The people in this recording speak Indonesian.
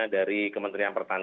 dari kementerian pertanian